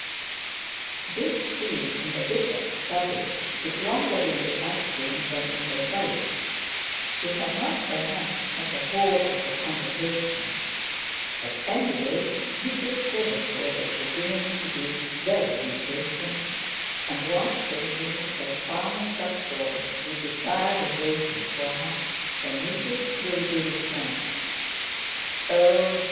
This scene in the bishop's study took longer in the acting than in the telling. We have not, perhaps, had the whole of the conversation. At any rate Mrs Quiverful was beginning to be very impatient, and was thinking that farmer Subsoil would be tired of waiting for her, when Mrs Proudie returned. Oh!